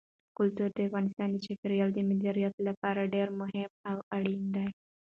کلتور د افغانستان د چاپیریال د مدیریت لپاره ډېر مهم او اړین دي.